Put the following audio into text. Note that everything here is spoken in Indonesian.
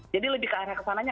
jadi lebih ke area kesananya